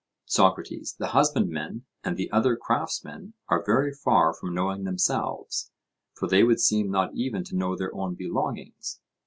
SOCRATES: The husbandmen and the other craftsmen are very far from knowing themselves, for they would seem not even to know their own belongings?